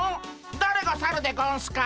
だれがサルでゴンスか！